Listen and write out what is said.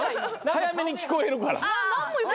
早めに聞こえるから。